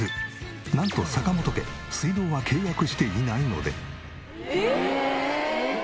なんと坂本家水道は契約していないので。